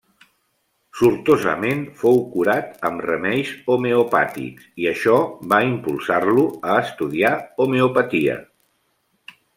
Sortosament fou curat amb remeis homeopàtics i això va impulsar-lo a estudiar homeopatia.